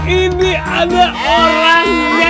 ini ada orangnya